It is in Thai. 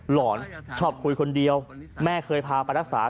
หลอนชอบคุยคนเดียวแม่เคยพาไปรักษา